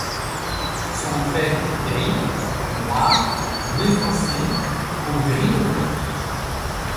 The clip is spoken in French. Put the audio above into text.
Son trait est gris, noir, bleu foncé ou gris de plomb.